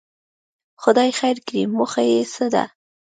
خدای خیر کړي، موخه یې څه ده.